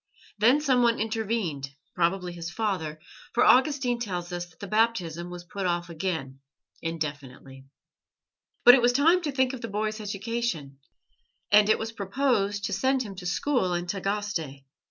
Then someone intervened, probably his father, for Augustine tells us that the Baptism was put off again indefinitely. But it was time to think of the boy's education, and it was proposed to send him to school in Tagaste.